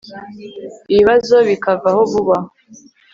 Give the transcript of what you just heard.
ibibazo bikavaho vuba